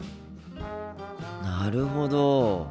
なるほど。